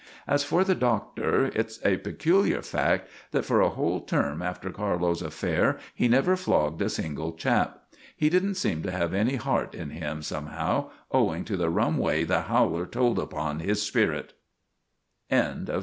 As for the Doctor, it's a peculiar fact that for a whole term after Carlo's affair he never flogged a single chap. He didn't seem to have any heart in him, somehow, owing to the rum way the howler told upon his spirit.